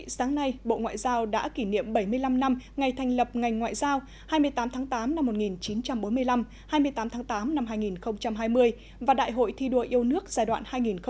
sáng nay bộ ngoại giao đã kỷ niệm bảy mươi năm năm ngày thành lập ngành ngoại giao hai mươi tám tháng tám năm một nghìn chín trăm bốn mươi năm hai mươi tám tháng tám năm hai nghìn hai mươi và đại hội thi đua yêu nước giai đoạn hai nghìn hai mươi hai nghìn hai mươi năm